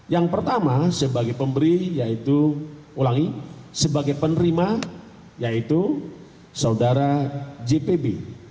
yang pertama sebagai pemberi yaitu ulangi sebagai penerima yaitu saudara jpb